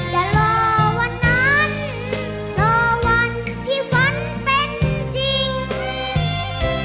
จะรอวันนั้นรอวันที่ฝันเป็นจริง